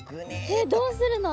えっどうするの！？